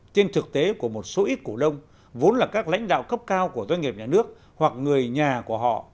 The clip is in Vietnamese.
trên thực tế của một số ít cổ đông vốn là các lãnh đạo cấp cao của doanh nghiệp nhà nước hoặc người nhà của họ